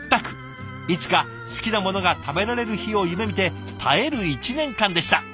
いつか好きなものが食べられる日を夢みて耐える一年間でした。